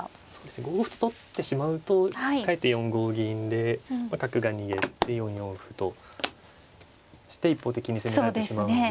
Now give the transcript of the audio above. ５五歩と取ってしまうとかえって４五銀で角が逃げて４四歩として一方的に攻められてしまうので。